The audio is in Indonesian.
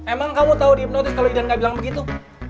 emang kamu tahu dihipnotis kalau idan nggak bilang begitu